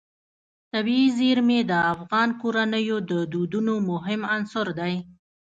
طبیعي زیرمې د افغان کورنیو د دودونو مهم عنصر دی.